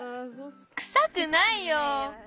くさくないよ。